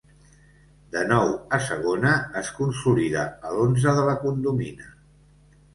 De nou a Segona, es consolida a l'onze de La Condomina.